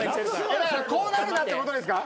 俺たちこうなるなってことですか？